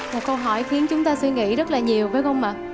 một câu hỏi khiến chúng ta suy nghĩ rất là nhiều phải không ạ